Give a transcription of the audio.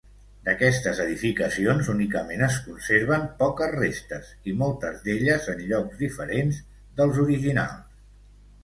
D'aquestes edificacions únicament es conserven poques restes i moltes d'elles en llocs diferents dels originals.